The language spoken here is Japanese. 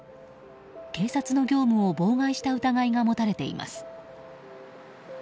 警察の業務を妨害した疑いが持たれています。